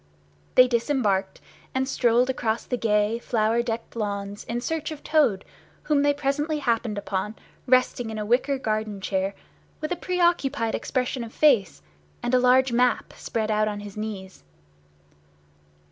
They disembarked, and strolled across the gay flower decked lawns in search of Toad, whom they presently happened upon resting in a wicker garden chair, with a pre occupied expression of face, and a large map spread out on his knees.